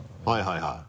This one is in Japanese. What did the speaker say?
はいはい。